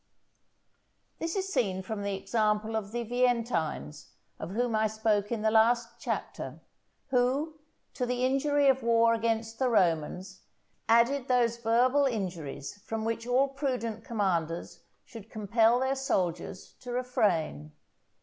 This is seen from the example of the Veientines, of whom I spoke in the last Chapter, who, to the injury of war against the Romans, added those verbal injuries from which all prudent commanders should compel their soldiers to refrain.